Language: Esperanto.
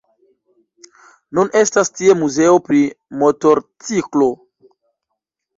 Nun estas tie muzeo pri Motorciklo.